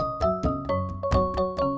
yah gua jalan dong